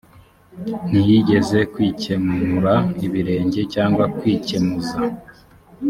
ntiyigeze kwikenura ibirenge cyangwa kwikemuza